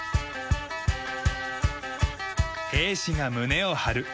兵士が胸を張る。